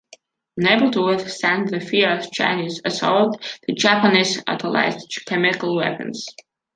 Unable to withstand the fierce Chinese assault, the Japanese utilized chemical weapons.